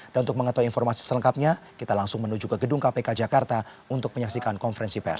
dan untuk mengetahui informasi selengkapnya kita langsung menuju ke gedung kpk jakarta untuk menyaksikan konferensi pers